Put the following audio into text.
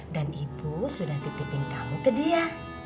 dan ibu sudah titipin kamu ke dia